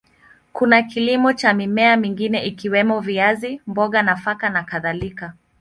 Kuna kilimo cha mimea mingine ikiwemo viazi, mboga, nafaka na kadhalika.